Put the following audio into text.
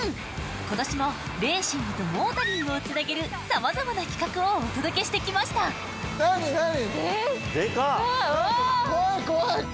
今年もレーシングとモータリングをつなげる様々な企画をお届けしてきました怖い怖い！